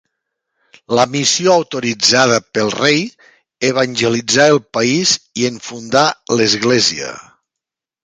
La missió, autoritzada pel rei, evangelitzà el país i en fundà l'església.